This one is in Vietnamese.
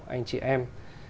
anh chị em